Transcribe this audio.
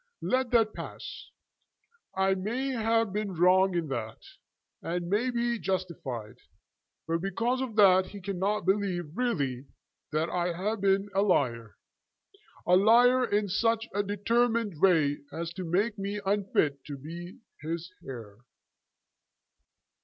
Let that pass. I may have been wrong in that, and he may be justified; but because of that he cannot believe really that I have been a liar, a liar in such a determined way as to make me unfit to be his heir."